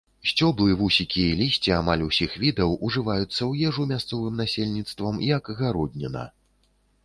Сцёблы, вусікі і лісце амаль усіх відаў ўжываюцца ў ежу мясцовым насельніцтвам як гародніна.